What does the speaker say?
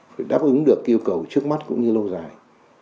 phải đáp ứng được yêu cầu trước mắt cũng như lâu dài